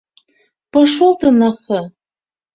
— Пошел ты на х...